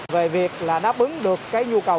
về việc là đáp ứng được cái nhu cầu